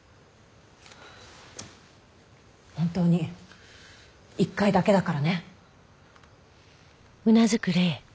本当に一回だけだからね。